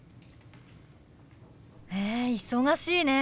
へえ忙しいね。